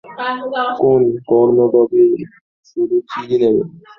তো, কর্ণ ডগে শুধু চিলি নেবেন?